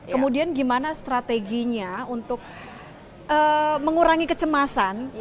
kemudian gimana strateginya untuk mengurangi kecemasan